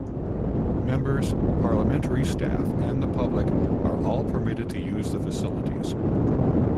Members, parliamentary staff, and the public are all permitted to use the facilities.